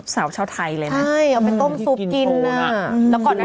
สาวชาวไทยเลยนะใช่เอาไปต้มซุปกินน่ะแล้วก่อนนั้น